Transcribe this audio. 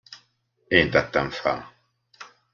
Én tettem fel.